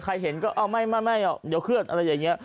เห็นก็เอาไม่เดี๋ยวเคลื่อนอะไรอย่างนี้